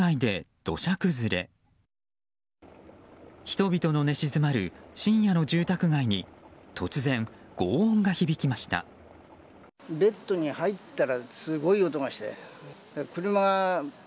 人々の寝静まる深夜の住宅街に突然、轟音が響きました。